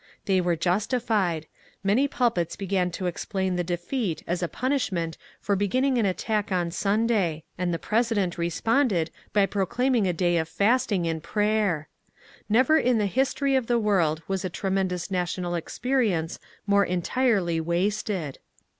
They were justified ; many pulpits began to explain the defeat as a punishment for beginning an attack on Sunday, and the WILLIAM LLOYD GARRISON BULL RUN 336 PresideDt responded by proclaiming a day of fasting and ' prayer ! Never in the history of the world was a tremendous national experience more entirely wasted.